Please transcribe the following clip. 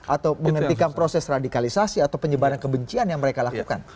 atau menghentikan proses radikalisasi atau penyebaran kebencian yang mereka lakukan